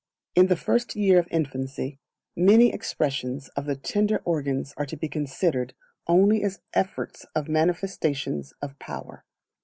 In the First Year of Infancy, many expressions of the tender organs are to be considered only as efforts of manifestations of power.